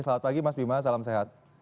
selamat pagi mas bima salam sehat